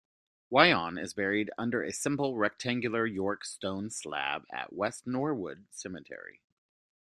Wyon is buried under a simple rectangular York stone slab at West Norwood Cemetery.